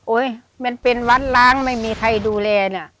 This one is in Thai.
มันเป็นวัดล้างไม่มีใครดูแลน่ะ